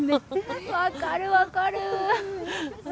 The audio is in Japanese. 分かる分かる。